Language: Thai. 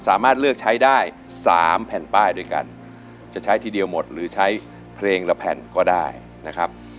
สามารถเลือกใช้ได้๓แผ่นป้ายด้วยกันจะใช้ทีเดียวหมดหรือใช้เพลงละแผ่นก็ได้นะครับ